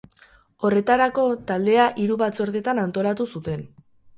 Horretarako, taldea hiru batzordetan antolatu zuten.